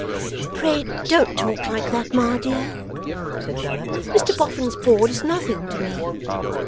'Pray don't talk like that, Ma dear,' said Bella; 'Mr Boffin's board is nothing to me.